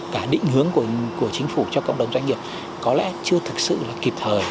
cả định hướng của chính phủ cho cộng đồng doanh nghiệp có lẽ chưa thực sự là kịp thời